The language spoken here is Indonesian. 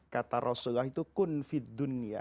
kata rasulullah itu